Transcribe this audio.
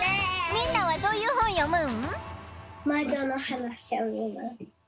みんなはどういうほんよむん？